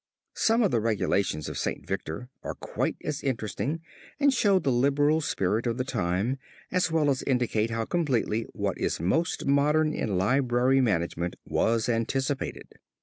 Some of the regulations of St. Victor are quite as interesting and show the liberal spirit of the time as well as indicate how completely what is most modern in library management was anticipated.